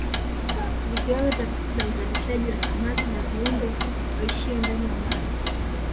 Zikiwemo tafiti za uzalishaji wa samaki na viumbe waishio ndani ya maji